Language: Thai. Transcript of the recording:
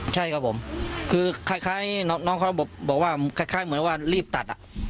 ใช่ครับผมคือคล้ายน้องเขาบอกว่าคล้ายเหมือนว่ารีบตัด